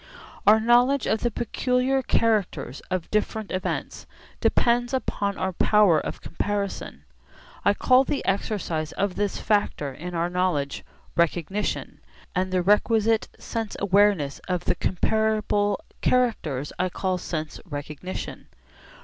Our knowledge of the peculiar characters of different events depends upon our power of comparison. I call the exercise of this factor in our knowledge 'recognition,' and the requisite sense awareness of the comparable characters I call 'sense recognition.'